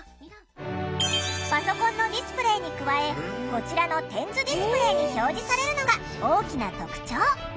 パソコンのディスプレーに加えこちらの点図ディスプレーに表示されるのが大きな特徴。